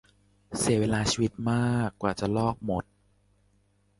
เสียเวลาชีวิตมาก กว่าจะลอกหมด